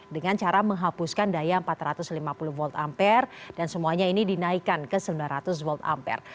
dengan cara menghapuskan daya empat ratus lima puluh volt ampere dan semuanya ini dinaikkan ke sembilan ratus volt ampere